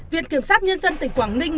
viện kiểm sát nhân dân tỉnh quảng ninh